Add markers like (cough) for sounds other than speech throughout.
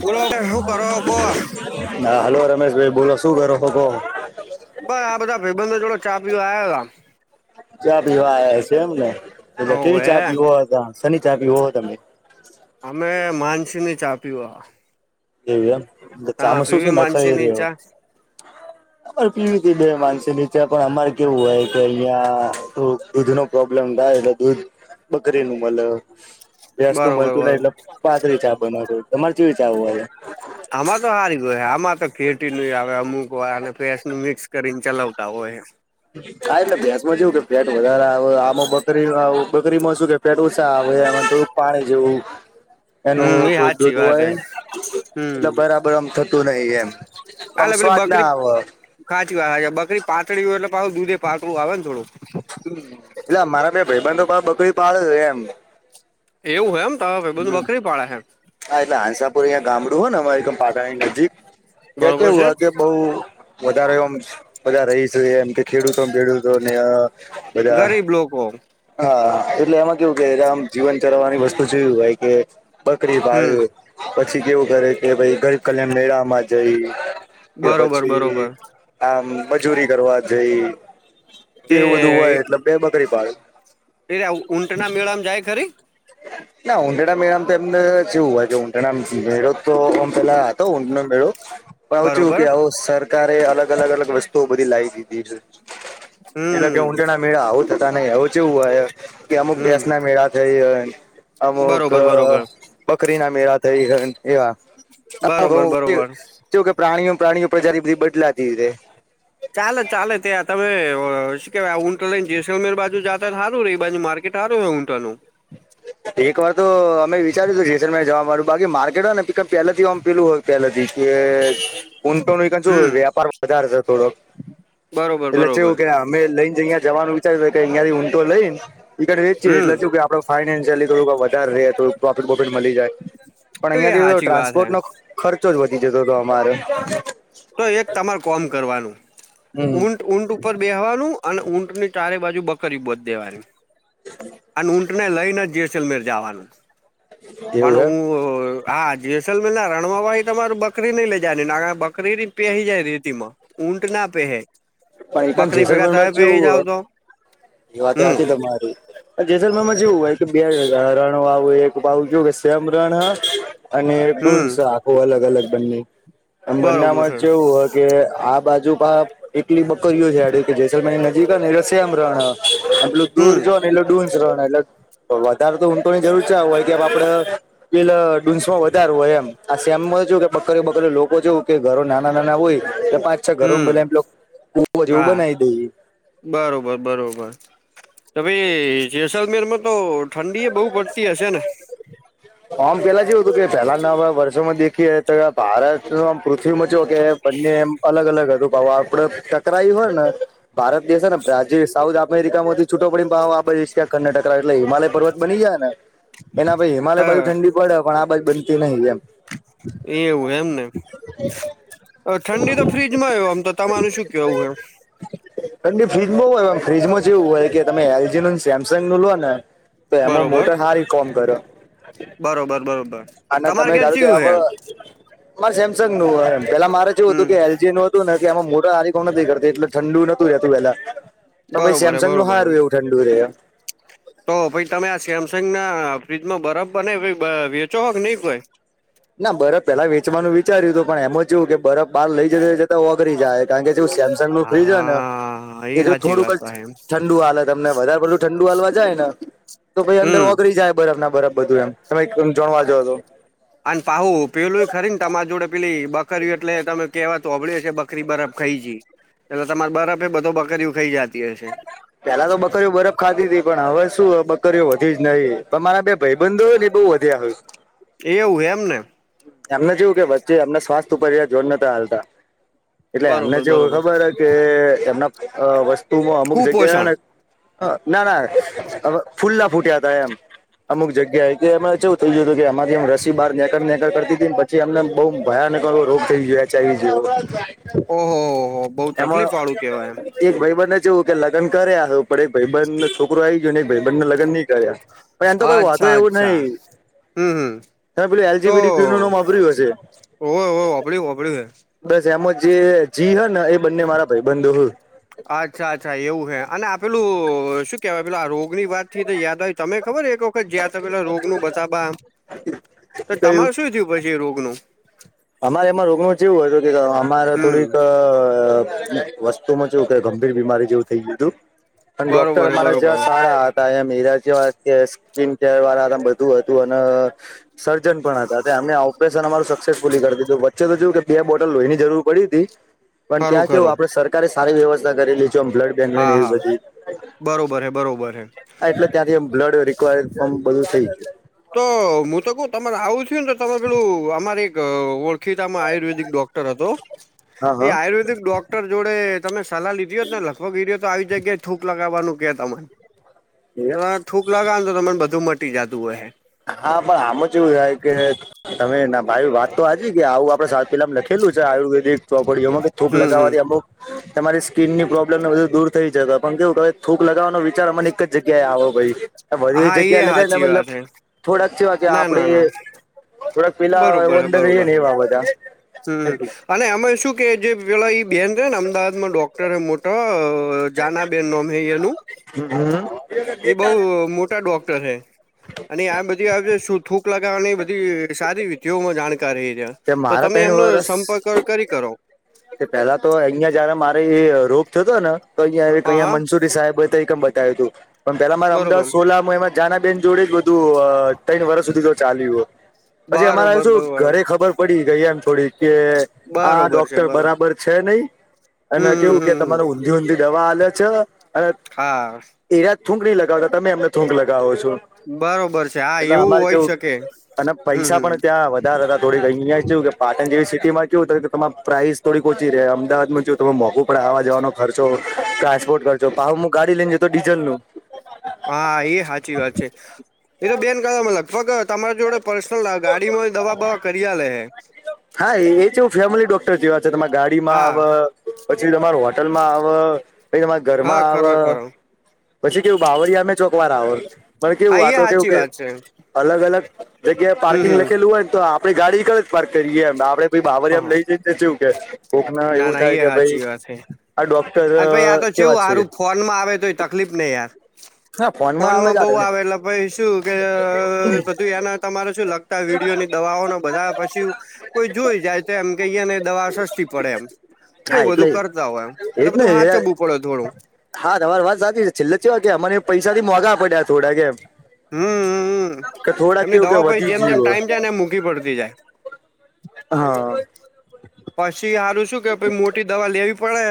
બોલો હું કરો કો હા હલો રમેશ ભાઈ બોલો શું કરો હો કો બાઈ આ બધા ભબંધો જોડો ચા પીવા આયા હતા ચા પીવા છે એમ ને હતા પછા કેવી ઓવે ચા પીવો હતા શની ચા પીવો તમે અમે માનસીની ચા પીવ એવી એમ ચામાંસું શું માનસી નાખાય ની રહ્યો ચા અમારે પીવી બે માનસી ની ચા પણ અમારે કેવું હોય કે અહિયાં. તો દૂધનો પ્રોબ્લેમ થાય એટલે દૂધ બકરી નું મલે. ભેંસનું બરોબર મળતું નય બરોબર એટલે પાતળી ચા બનવા તમારે કેવી ચા હોવા છે. આમાં તો હા જ હોય આમાં તો ફેટી ન આવે અમુક વાર અને ભેંસનું મિક્સ કરીને ચલાવતા હોય. હા એટલે ભેંસમાં જેવું કે ફેટ વધારે આવે આમાં બકરી બકરી માં શું કે. ફેટ ઓછા આવે એમાં થોડું પાણી જેવું એનું હમ એ થોડુંક સાચી દૂધ વાત હોય. હે એટલે હમ બરાબર આમ થતું નહિ એમ આમ સ્વાદ ના આવ. હાચી વા બકરી પાતળી હોય એટલે દૂધે પાહૂ પાતળું આવે ને થોડું. હા એટલે મારા બે ભાઈબંધ બકરી પાળે છે એમ. એવું હે તમાર ભાઈબંધ બકરી પાળે હૈ. હા એટલે હાંસાપુર અંયા ગામડું હો ને અમારે પાટણની નજીક ત્યાં બરોબર છે કેવું હ કે બઉ. વધારે એમ બધા રહીશ એમ કે ખેડૂતો ખેડૂતો ને. બધા ગરીબ લોકો. હા એટલે એમાં કેવું કે આમ જીવન ચરવવાની વસ્તુ જોયું હોય કે. બકરી હમ બાળ પછી કેવું કરે કે ભય ગરીક કલ્યાણ મેળામાં જઈ. એ બરોબર બરોબર પછી. આમ મજૂરી કરવા જઈ તે એવું બધું હોય એટલે બે બકરી પાળી. એલા ઊંટના મેળામાં જાય ખરી. હ (unintelligible) ના ઊંઢેડા મેળામ તો એમને કેવું હોય છે ઊંટેડા મેળો તો આમ પેલા હતો ઊંટનો મેળો. પણ આવું છું બરોબર કે આવો સરકારે અલગ અલગ અલગ વસ્તુઓ બધી લાઈ દીધી છે. એટલે કે હમ ઊંટના મેળા આવું થતા એવું ચેવું હોય કે અમુક હમ ભેંસના મેળા થઈ અ અમુક બરોબર બરોબર બકરીના મેળા થઈઅ એવા. બરોબર બરોબર (unintelligible) કે પ્રાણીઓ પ્રાણીઓ પ્રજાતિ બધી બદલાતી રે. ચાલે ચાલે ત્યાં તમે શું કેવાય ઊંટો લઈને જેસલમેર બાજુ જાતા સારું રે એ બાજુ માર્ કેટ હારુ હે ઊંટો નું એક વાર તો અમે વિચાર્યું હતું જેસલમેરમાં જવા માનું બાકી માર્કેટ હોય ને પિકઅપ પેલાથી આમ પેલું હોય પહેલ થી કે ઊંટોને એકવાર જો હમ વ્યાપાર વધારે છે થોડોક બરોબર એટલે બરોબર ચેવું કે અમે લઈને જ્યાં જવાનું વિચાર્યું કે અહીંયાથી ઊંટો લઈને ઇકન વેચીએ હમ એટલે કે શું આપ ફાઈનાન્શિયલી થોડુંક વધારે રહે થોડું પ્રોફિટ બ્રોફિટ મળી જાય પણ એ અહીંયાથી સાચી વાત હે ટ્રાન્સપોર્ટ નો ખ ખર્ચો જ વધી જતો હતો અમારે. તો એક તમારે કોમ કરવાનું હમ ઊંટ ઊંટ ઉપર બેહવાનું અને ઊંટની ચારે બાજુ બકરી બોધ દેવાની. અને ઊંટને લઈને જ જેસલમેર જવાનું પણ એવું એમ હુંઅ હા જેસલમેરના રણવાહી તમારું બકરી નઈ લઈ જાવા ની નકર બકરી પેહી જાય રેતી માં. ઊંટ ના પેહે. પણ ઇકન બકરી ભેગા જેસલમરમાં તમે પેહી ચેવું જાવ અ તો એ વાતે હમ હાચી તમારી. જેસલમેરમાં જેવું હોય કે બે ર રણ વાળુ હોય એક આવું કેવું કે સેમરણ હ અને ડુંસ હમ આખું અલગ અલગ બંને બરોબર બંનેમાં છે ચેઉ હ કે આ બાજુ પાહ એકલી બકરીઓ જ હેડે કે જેસલમેરની નજીક ને એટલે શેમ રણ એટલું હમ દૂર જો ને એટલું ડૂઝરણ ને એટલે વધારે તો ઊંટોની જરૂર ચાણ હોય કે આપડે પેલ ડુંનસ માં વધાર હોય એમ. આ શેમમાં જો કે બકરે બકરે લોકો જોવું કે ઘરો નાના નાના હોય કે પાંચ છ હમ ઘરોમાં (unintelligible) ઉપો જેવું હા બનાઈ દઈએ બરોબર બરોબર. તો ભાઈ જેસલમેરમાં તો ઠંડી એ બહુ પડતી હશે ને. હૉમ પેલા જેવું હતું કે પેલા નવા વર્ષોમાં દેખએ તો એબ ભારત ઓમ પૃથ્વી મ ચેવું કે બંને એમ અલગ અલગ હતું પવા આપડે તકરાઈ હોય ને ભારત દેશ છે બ્રાઝીલ સાઉથ અમેરિકામાંથી છૂટો પડી પાહો આબાજ એશિયા ખંડ ને ટકરાયો એટલે હિમાલય પર્વત બની જાય ને, એના પછી ત હિમાલય બાજુ ઠંડી પડે પણ આ બાજુ બનતી નહી એમ એ એવું એમ ને ઠંડી તો ફ્રીજમાં હોય ઓમ તો તમાર શું કેવું હે? (unintelligible) ઠંડી ફ્રીજ બો હોય, ફ્રીજમાં ચેવું હોય કે તમે એલ. જી. નું સેમસંગનું લો ને તો એમાં બરોબર મોટર હારી કોમ કર બરોબર બરોબર. તમારે તમે ધારો કે ચયું હવ હે મારે સેમસંગ નું હ પેલા મારે ચેવું હમ હતું કે એલજી નું એમાં મોટર હારી કોમ નતી કરતી એટલે ઠંડુ નતું રહેતું. પેલા પણ બરોબર હે સેમસંગનું બરોબર હારુ હમ એવું ઠંડું રેઅ તો ભાઈ તમે આ સેમસંગના ફ્રીજમાં બરફ બને વેચો હો કે નહીં કોઈ ના બરફ પેલા વેચવાનું વિચાર્યું હતું પણ એમ ચેઉ કે બરફ બાર લઈ જ જતા આેગળી જાય કારણ કે ઠંડું ફ્રીજ હોય ને હા એ જો સાચી થોડુંક વાત જ તો હે એમ ઠંડુ આલ તમને વધારે પેલું ઠંડુ આલવા જાય ને તો પછી અંદર હમ ઓગળી જાય બરાફ ના બરાફ બધું એમ, તમે એક ઓમ જોણવા જો તો અન પાહુ પેલું ખરી ને તમારી જોડે પેલી બકર્યું એટલે તમે કેવા હોભળી હશે બકરી બરફ ખઈ જી એટલે તમારે બરફ એ બધો બકરીઓ ખાઈ જાયત તી હસે. પેલા તો બકરીઓ બરફ ખાતી હતી પણ હવે, શું બકરીઓ વધી જ નઈ પણ મારા બે ભયબંધો હોય ન એ બહુ વધ્યા હ એવું એમ ને એમને જેવું કે વચ્ચે અમને શ્ચાસ ઉપર જોર નથીતા હાલતા. એટલે એમને બરોબર જેવું બરોબર ખબર હ કે એમના વસ્તુમાં અમુક જગ્યા ને કુપોષણ ના ના. હવે, ફૂલ્લા ફૂટ્યા હતા એમ અમુક જગ્યા એ કે એમાં થયું કે અામાંથી રસી બાર નેક કરતી ને પછી અમને બહુ ભયાનકો રોગ થઈ ગયો એચ આઈ વી જેવો. ઓહોહો, બહુ એમાં તકલીફ વાળું કેવાય એમ એક ભાઈબનને કેવું કે લગને પણ એક ભાઈબન ને છોકરો આ આવી ગયો ને એક ભાઈબણ ને લગન નહી પણ એમ તો કોઈ વાતો અચ્છા એવું અચ્છા નહી, તમે પેલું એલજી બીડી ઓ ઓ હો વાપર્યું વાપર્યું હ બસ એમાં જે જી હ ને એ બંને મારા ભાઈ બધો અચ્છા અચ્છા એવુ હે, અને આપેલું શ કેવાય પેલા આ રોગની વાતથી તો યાદ હોય તમે ખબર એક જ્યાં તો પેલા રોગનું બતાવા, તો કયું તમારું શું થયું પછી એ રોગનુ અમારે એમાં રોગનું જ એવું હોય તો કે અમારે હમ થોડીકસ્ત શુંચું કે ગંભીર બીમારી જેવુ થઈ ગય હતુ, પણ ડોક્ટર બરોબર હે અમારે બરોબર જ્યા હે. સારા મરાજી વા કે સ્ક્રીન કેર વાળામ બધુ હતુ અને સર્જન પણ હતા. એમને ઓપરેશન અમારું સક્સેસ વચ્ચે તો જોયુ, કે બે બોટલ લો એની જરૂર પડી હતી પણ ખરું ત્યાં કેવું ખરું આપડે સર સરકારે સારી વ્યવસ્થા કરી લેજો આમ બ્લડ બેંક હા એવી હા બધી બરોબર હે બરોબર હે એટલે ત્યાંથી બ્લડ રિક્્વાયરમ બધું થઈ ગયુ. તો હુ તો કઉ તમારે આવું છુને, તમે પેલું અમારે એક ઓ ખીતામાં આયુર્વેદિક ડોક્ટર હતો. હા એ આયુર્વેદિક ડોક્ટર જોડે તમે સલાહ લીધી હોત ને લખો ગીરી્યો તો આવી જગ્યાએ થૂક લગાવવાનુ કે તમારે તો હા થૂક લાગાવ ને તો તને બધું મટી જતું હોય, હ હા, પણ આમ જ એવું થાય કે તમે ના ભાઈ વાત તો હજી કે આવું આપણે સાાત પેલા લખેલું છે. આયુર્વેદિક તો વળી એમાં થૂક હમ હમ લગવાથી અમુક તમારી સ્કીિનની પ્રોબ્મને બધું દૂર થઈ જ પણ કેવું થૂક લગાવવાનો વિચાર મને જ જગ્યા આવો ભાઈ બધી હા જગ્યા એ લગે ને હાચી મતલબ વાત હે થોડાક છેવા કે ના આપડે ના ના થોડાક પેલા બરોબર હે વંદગ એ બરોબર ન હે એવા બધા હમ અને એમાં શું કે જે પેલા બેહેન છેને, અમદાવાદમા ડોક મોટ મોટો જાના બે નમનુ હમ્મ એ બઉ મોટા ડોક્ટર છે અને આ બધી આવે શું થૂક લગાવવાની એ બધી સારી વિધિઓમાં જાણકાર એ છે, કે તો મારા તમે ત્રણ એમનો વરસ સંપર્ક કરી કરો પેલા તો અહિયા જયારે, મારે રોગ થયોતો ને તો અહિયાં હા અહયા હા મનસુરી સાહેબ મ બતાવ્યું હતુ, પણણ પેલા મારે બરોબર અમદાવાદ સોલા એમાં જાના બેેન જોડે જ બધું ત્ર વર્ષ સુધી તો ચાલ્યું હો પછી અમારે બરોબર શું બરોબર ઘરે ખબર પડી ગઈ એમ થોડી કે આ બરોબર છે. ડોક્ટર બરોબર બરાબર છે, નહી હમ અને હમ કેવું કે હમ હમ તમારે ઊંધી ઊંધી દવા આ છે અને હા એરાજ થૂંક નહી લગાવતા તમે એમને થૂંક લગાવો છો. બરોબર છે હા એટલે એવું અમારે હોય જેવ શકે અને હમ પૈસા હમ પણ ત્યાં વધ દા થોક અહીંયા કે પાટણ જેવી સિટીમાં કેું કે તમામે પ્રાઇસ થોડીક ઓછી રહે અમદાવાદમાં જો તમે મોકું પડેવા જવાનો ખર્ચો ટ્રાન્સપોર્ટ કર જોાાવ હુ ગાડી લઈને જ તો ડીઝલ નુ હા એ સાચી વાત છે, એ તો બેન કાળામાં લગભગ તમારા જોડે પર્સનલ આ ગાડીમાંય દવાબવા કર્યા લે હે હા એ જેવું ફેમિલી ડોક્ટર જેવા છે તમે ગાડીમાં હા આવે પછી તમાર હોટલ માં આવે પછી તમારા હા ઘરમાં ખરો આવે ખરો પછી કેવું બાવરિયામે ચોકવાર આવોર પણ હા કેવું એ આતો કેવું સાચી કે વાત છે અલગ અલગ જગ્યાએ હમ પાર્કિંગ હમ હ લખેલું હોય ને તો આપણી ગાડી કડ જ પાર્ક કરીએ આપડે બાવર આમ હ લઈ જઈ કે કોક ના એવું થાય એ કે ભાઈ સાચી વાત છે આ ડો આ અને પછ આ ડોકટર તો કેવું કેવા છે સારું ફોનમાં આવે તો એ તકલીફ નહી યાર હા ફોનમાં બઉ આવે એટલે પાઈ શું કે બધું એના તમારે શું લખ વિડીયો ની દવાઓને બધા પશી કોઈ જોઈ જાય તો એમ કે અહીયા ને દવા સસ્તી પડે એમ હા એવું એટલે બધું કરતા હોય એમ એટલે એજ ને બધું હા ચવું પડે થોડું હા તમારી વાત સાચી છેલ્લેવા કે અમાને પૈસા થી મોંઘા પડ્યા થોડા કેમ હમ એમની કેવું કે દવા પછી વધી જેમ જેમ ટાઈમ ગયું જાય ને એમ એમ મોંઘી પડતી જાય (inaudible) હા પછી સારું શું કે પ મોટી દવા લેવી પડે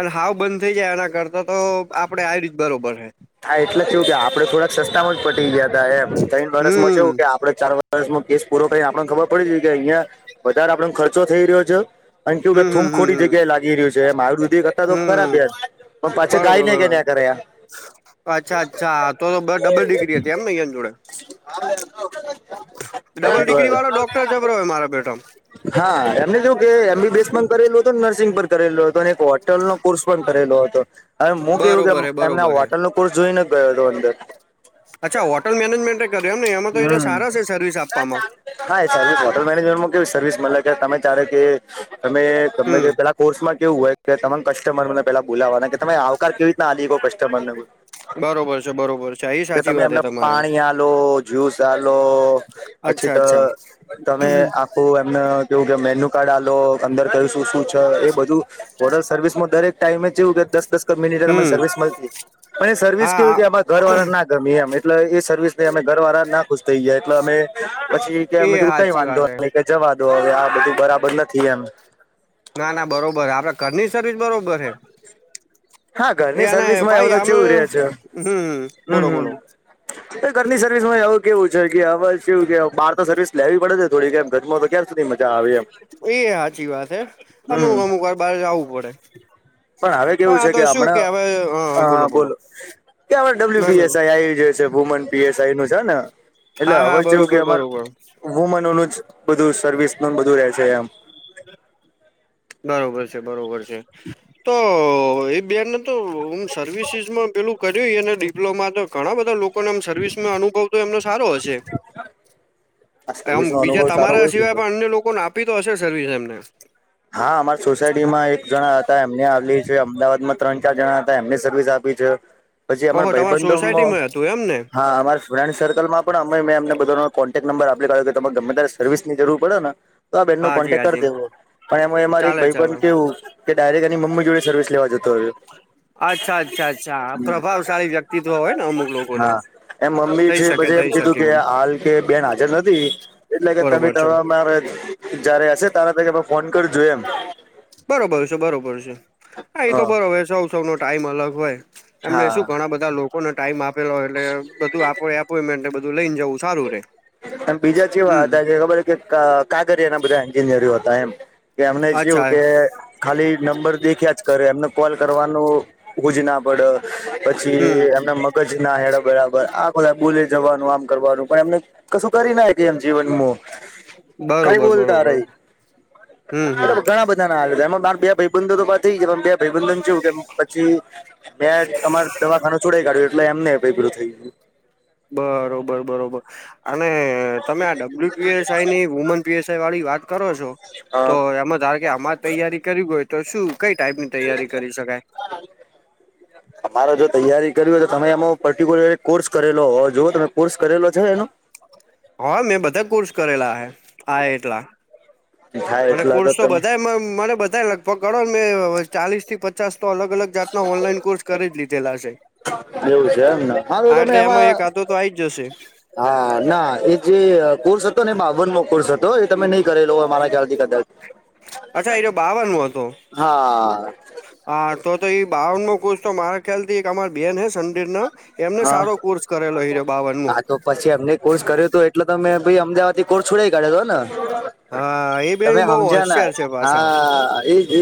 અને હાવ બંધ થઇ જાય એના કરતા તો આપડે આવી રીત બરોબર હ હા એટલા જ થું કે આપડે થોડાક સસ્તા માં જ પટી ગયા હતા એમ તઇન વર્ષમાં હમ્મ કેવું આપડે ચાર વર સ કેસ પૂરો થ આપણને ખબર પડી કે અહિયાં વધારે આપડાને ખર્ચો થઈ રહ્યો છે અને કેવું કે હમ્મ હમ્મ હમ્મ થૂમખોટી હમ્મ જગ્યાએ લાગી રહ્યું છે એ આયુર્વેદિક તો કરા હમ્મ બે પણ પાછા બરોબર ગાયનેક કર્યા બરોબર કરે એમ અચ્છા અચ્છા તો તો બ ડબલ ડિગ્રી હતી એમને એ જોડે ડબલ ડિગ્રી વાળો બર ડોક્ટર જબરો હોય મારા બેઠામાં હા એમને શું કે એમબીબીએસ પણ કરેલું હતું નર્સિંગ પણ કરેલું હતું અને હોલ નો કોર્સ પણ કરેલો હતો હવે હું કેવું કે બરોબર હે એમને બરોબર હે હોટલ નો કોર્સ જોઈને ગયો હતો અંદર અચ્છા હોટલ મેનેજમેન્ટ એ કર્યું એમ ને એમાં તો એ હમ સારા છે સર્વિસ આપવામાં હા એ સર્વિસ હોટેલ મેનેજમેન્ટમાં કેવી સર્વિસ મળે કે તમે ચારે કે તમે તમે હમ્મ જે કલાક કોર્સમાં કેવું હોય કે તમામ કસ્ટમરને પેલા બોલાવાના કે તમે આવકાર કેવી રીતના આલી ગ કસ્ટમર ને બરોબર છે બરોબર છે એ કે સાચી તમે વાત હે એમને તમારી પાણી આ લો ધોસાડો પછી અચ્છા તો અચ્છા તમે એમને કેવું કે મેન્યુ કાર્ડ આલો અંદર કયું શું શું છે એ બધું હોટલ સર્વિસમાં દરેક ટાઈમે ચેવું કે દરેક દસ મિનિટરને હમ્મ સર્વિસ મળ અને સર્વિસ કેવી હા કે ઘર વાળા ના મ એમ એટલે એ સર્વિ ને અમે ઘર વાળા ના ખુશ થઈ જયા એટલે અમે પછી કે એ કીધું કઈ હાચી વાત વાંધો હે જવા દો હવે આ બધું બરાબર નથી એમ ના ના બરોબર હ આપડે ઘરની સર્વિસ બરોબર હૈ હા ઘરની એને સર્વિસમાં એવું ભાઈ તો અમે ચેવું રે છે હમ હમ બોલો બોલો હમ ઘરની સર્વિસ માં એવું કેવું છે કે હ કેવું કે બહાર તો સર્વિસ લેવી પડે થોડીક આમ ઘરમાં તો ક્યાં સુધી મજા આવે એમ એ સાચી વાત હે હમ અમુક અમુક વાર બાર જવું પડે પણ હવે કેવું આ છે તો કે શું હવે હા આપમણા બોલો કે આપ ડબલ્યુ ના ના પીએસઆઈ આ વુમન પીએસઈ નું છે ને એટલે હા હવે હા જેવું કે બરોબર અમાર બરોબર વુમન ઓલું જ બધું સર્વિસ ન બધું રહે છે એમ બરોબર છે બરોબર છે તો એ બેન તોમ સર્વિસીસ માં પેલું કર્યું અને ડિપ્લોમા તો ઘણા બધા લોકો લોકોમ સર્વિસમાં અનુભવ તો એમનો સારો હશે આ આમ સર્વિસ નો બીજા અનુભવ સારો તમારા હોય છે સિવાય પણ અન્ય લોકોને આપી તો હશે સર્વિસ એમને હા અમાર સોસાયટી માં એક જણા હતા એમને આવે છે અમદાવાદમાં ત્રણ જણા હતા એમને સર્વિસ આપી છે પછી અમાર ઓહો તમારા ભાઈબંધો સોસાયટીમાં હતું એમ ને હા અમાર ફ્રેન્ડ સર્કલમાં પણ અમે મેં એમને બધાનો કોન્ટેક્ટ નંબર આપીયો કે તમે ગમે ત્યારે સર્વિસ ની જરૂર પડેને તો આ બેહેન નો હાજી કોન્ટેક્ટ કરી હાજી દેવો પણ અમારે એક ચાલે ભાઈબંધ ચાલે પણ કેવું કે ડાયરેક્ટ એની મમ્મી જોડે સર્વિસ લેવા જતો રહ્યો અચ્છા અચ્છા અચ્છા પ્રભાવશાળી વ્યક્તિત્વ હોય ને અમુક લોકો ના હા એમ મમ્મી છે પછી એમ કીધું કે હાલ કે બેન હાજર નથી એટલે કે તમે બરોબર છે તમા મારે જયારે હશે તારે ત કે ફોન કર જો એમ બરોબર છે બરોબર છે હા એ તો હ બરોબર સૌ સૌ નો ટાઈમ અલગ હોય એમને શું હા ઘણા બધા બધા લોકોને ટાઈમ આપેલો હોય એટલે બધું આપ એપોઈન્ટમેન્ટ બધું લઈ ને જવું સારું રે એમ બીજા ચેવા હમ હતા જે ખબર છે કે કાઘરી એના બધા એન્જિનિયર હતા એમ કે એમને શું અચ્છા કે ખાલી નંબર દેખ્યા જ કરે એમને કોલ કરવાનું હોજ ના પડે પછી હમ એમના મ જ ના હેડા બરાબર આ બધા બોલે જવાનું આમ કરવાનું પણ એમને કશું કરી ના હકે એમ જીવનમાં ખરી બરોબર બોલતા રે બરોબર હમ હમ બ ઘણા બધા નામાં બે ભાઈબંધો તો થઈ જ બે ભ ઈબંધન છેવું કે પછી મે તમારે દવાખાનો છોડાઈ કાઢ્યું એટલે એમને બે થઈ ગયો બરોબર બરોબર અને તમે આ ડબલ્યુ પીએસઆઈ ની વુમન પીએસઆઈ વાળી વાત કરો છો તો ગયું એમાં ધારો કે આમા તૈયારી કરી હોય તો શું કઈ ટાઈમિંગ તૈયારી કરી શકાય અમારે જો તૈયારી કરવી હોય તો તમે એમ પર્ટિક્યુલર કોર્સ કરેલો હો જુઓ તમે કોર્સ કરેલો છે એનો હ (inaudible) હા મેં બધા કોર્સ કરેલા હે હા એટલા થાય મને એટલે કોર્સ તો તમે બધા મને મને બધા લગભગ ગણો ને મે ચાલીસ થી પચાસ તો અલગ અલગ જાતના ઓનલાઈન કોર્સ કરી જ લીધેલા હશે એવું છે એમને તો હા તમે એટલે એમાં એક આાતો આઈ જ જશે. હા ના એ જે કોર્સ હતો ને બાવન નો કોર્સ હતો એ તમે નહી કરેલો મારા ખ્યાલથી કદાચ. અચ્છા એર્યો બાવનનો હતો. હા હા તો તો એ બાવનમાં કોર્સ તો મારા ખ્યાલ થી એક અમાર બેન હે સંંદીર ના એમને હા સારો કોર્સ કરેલો એર્યો બાવન મો હા તો પછી એમને કોર્સ કર્યો તો એટલે તો મેભી અમદાવાદ થી કોર્સ છોડાય કાઢ્યો હતો ન? હા એ બેન તમે બહુ હમજ્યા ના હોશિયાર છે પાછા હા એ એ